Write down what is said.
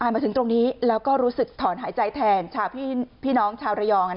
มาถึงตรงนี้แล้วก็รู้สึกถอนหายใจแทนชาวพี่น้องชาวระยอง